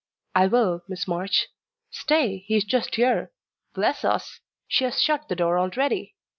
"I will, Miss March stay, he is just here. Bless us! she has shut the door already.